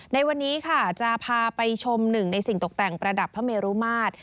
ในวันนี้ค่ะจะพาไปชมหนึ่งในสิ่งตกแต่งประดับพระเมรุมาตร